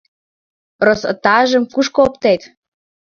Росотажым кушко оптет?